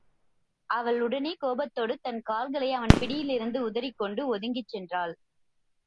அவள் உடனே கோபத்தோடு தன் கால்களை அவன் பிடியிலிருந்து உதறிக் கொண்டு ஒதுங்கிச் சென்றாள்.